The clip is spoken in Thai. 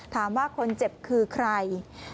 ถามว่าคนเจ็บคือใคร